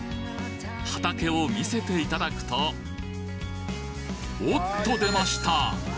畑を見せていただくとおっと出ました！